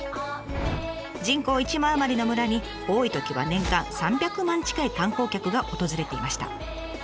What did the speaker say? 人口１万余りの村に多いときは年間３００万近い観光客が訪れていました。